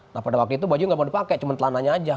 nah pada waktu itu bajunya gak mau dipake cuma telananya aja